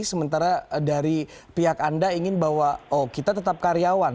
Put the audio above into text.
sementara dari pihak anda ingin bahwa oh kita tetap karyawan